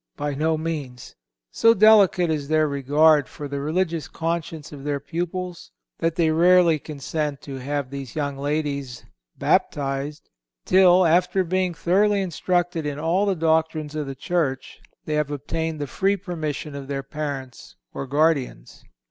By no means. So delicate is their regard for the religious conscience of their pupils, that they rarely consent to have these young ladies baptized till, after being thoroughly instructed in all the doctrines of the Church, they have obtained the free permission of their parents or guardians.